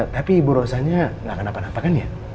tapi ibu rosanya enggak kenapa napa kan ya